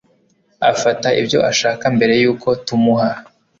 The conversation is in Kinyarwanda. Afata ibyo ashaka mbere yuko tumuha